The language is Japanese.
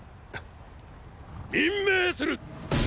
任命する！！